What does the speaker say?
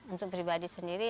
untuk pribadi sendiri